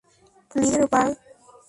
Leather Bar.